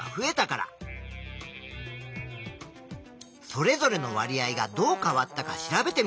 それぞれのわり合がどう変わったか調べてみよう。